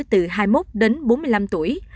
từ hai mươi một đến bốn mươi năm tuổi